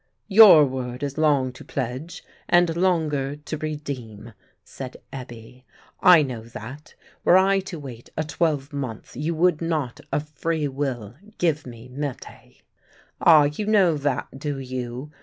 "Your word is long to pledge, and longer to redeem," said Ebbe. "I know that, were I to wait a twelvemonth, you would not of free will give me Mette." "Ah, you know that, do you?